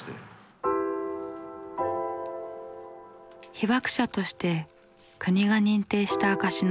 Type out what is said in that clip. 被爆者として国が認定した証しの手帳。